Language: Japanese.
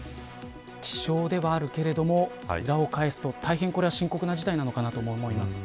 希少ではあるけれども裏を返すと大変これは深刻な事態なのかなと思います。